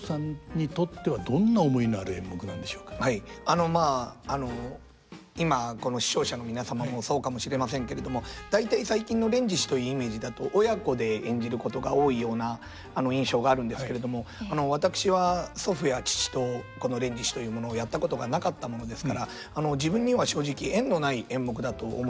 あのまああの今この視聴者の皆様もそうかもしれませんけれども大体最近の「連獅子」というイメージだと親子で演じることが多いような印象があるんですけれども私は祖父や父とこの「連獅子」というものをやったことがなかったものですから自分には正直縁のない演目だと思っておりました。